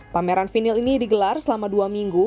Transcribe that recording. pameran vinil ini digelar selama dua minggu